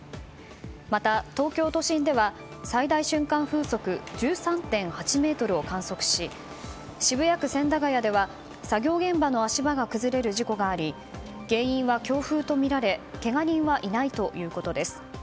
また、東京都心では最大瞬間風速１３．８メートルを観測し渋谷区千駄ヶ谷では作業現場の足場が崩れる事故があり原因は強風とみられけが人はいないということです。